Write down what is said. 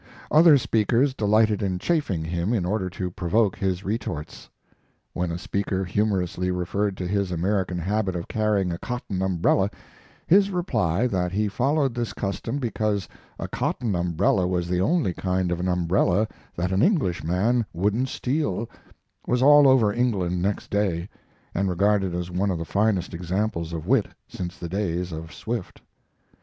Other speakers delighted in chaffing him in order to provoke his retorts. When a speaker humorously referred to his American habit of carrying a cotton umbrella, his reply that he followed this custom because a cotton umbrella was the only kind of an umbrella that an Englishman wouldn't steal, was all over England next day, and regarded as one of the finest examples of wit since the days of Swift.